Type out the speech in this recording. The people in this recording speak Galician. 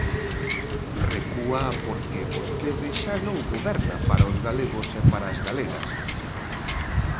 Recúa porque vostede xa non goberna para os galegos e para as galegas.